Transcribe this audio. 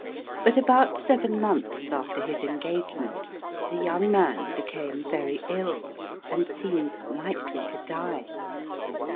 But about seven months after his engagement, the young man became very ill, and seemed likely to die.